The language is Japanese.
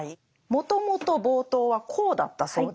もともと冒頭はこうだったそうです。